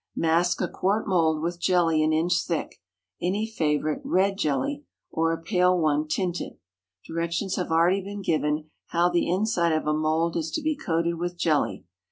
Mask a quart mould with jelly an inch thick any favorite red jelly, or a pale one tinted. Directions have already been given how the inside of a mould is to be coated with jelly.